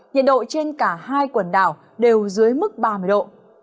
nhiệt độ trên cả hai quần đảo đều dưới mức ba mươi độ